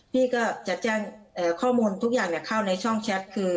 พี่ก็จะแจ้งข้อมูลทุกอย่างเข้าในช่องแชทคือ